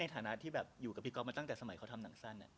ฐานะที่แบบอยู่กับพี่ก๊อฟมาตั้งแต่สมัยเขาทำหนังสั้น